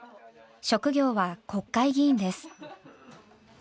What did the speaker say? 職業は国会議員です。